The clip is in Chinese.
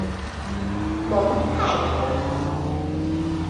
蒙泰通。